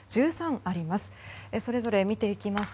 １３あります。